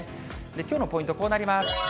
きょうのポイント、こうなります。